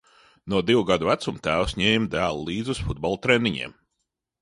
No divu gadu vecuma tēvs ņēma dēlu līdzi uz futbola treniņiem.